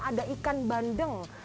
ada ikan bandeng